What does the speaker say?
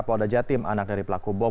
polda jatim anak dari pelaku bom